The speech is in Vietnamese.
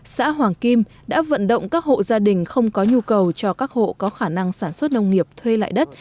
xã hoàng kim đã vận động các hộ gia đình không có nhu cầu cho các hộ có khả năng sản xuất nông nghiệp thuê lại đất